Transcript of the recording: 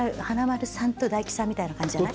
華丸さんと大吉さんみたいな感じ。